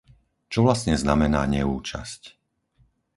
Čo vlastne znamená neúčasť?